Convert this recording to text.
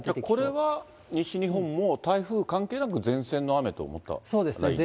これは西日本も台風関係なく、前線の雨と思ったらいいですか。